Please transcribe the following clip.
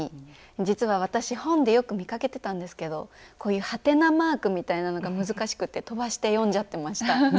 実は私本でよく見かけてたんですけどこういうはてなマークみたいなのが難しくて飛ばして読んじゃってました。ね？